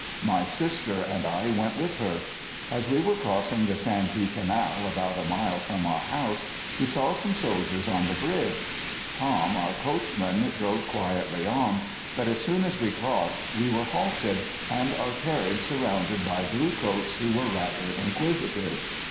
My sister and I went with her. As we were crossing the Santee canal about a mile from our house we saw some soldiers on the bridge. Tom, our coachman, drove quietly on, but as soon as we crossed we were halted and our carriage surrounded by blue coats who were rather inquisitive.